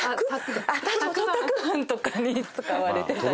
たくあんとかに使われてたりします